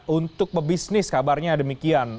untuk pebisnis kabarnya demikian